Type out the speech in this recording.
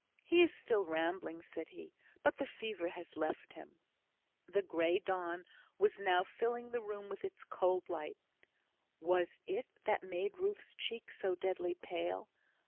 "He is still rambling," said he, "but the fever has left him." The grey dawn was now filling the room with its cold light; was it that made Ruth's cheek so deadly pale?